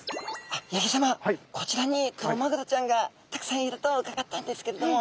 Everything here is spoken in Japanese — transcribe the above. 八木さまこちらにクロマグロちゃんがたくさんいると伺ったんですけれども。